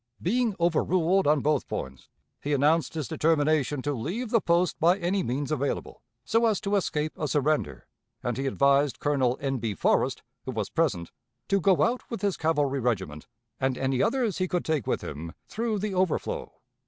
Being overruled on both points, he announced his determination to leave the post by any means available, so as to escape a surrender, and he advised Colonel N. B. Forrest, who was present, to go out with his cavalry regiment, and any others he could take with him through the overflow.